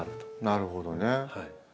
なるほどね。